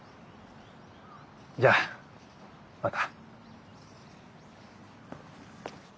じゃまた。